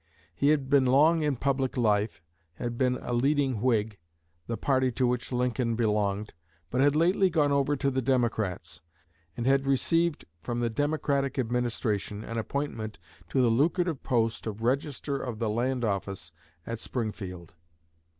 He had been long in public life, had been a leading Whig the party to which Lincoln belonged but had lately gone over to the Democrats, and had received from the Democratic administration an appointment to the lucrative post of Register of the Land Office at Springfield.